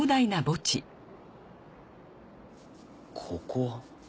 ここは？